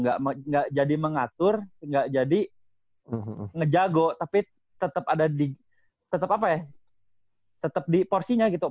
gak jadi mengatur gak jadi ngejago tapi tetep ada di tetep apa ya tetep di porsinya gitu